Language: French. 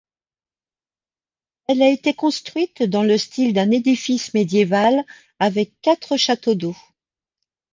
Elle a été construite dans le style d'un édifice médiéval avec quatre châteaux d'eau.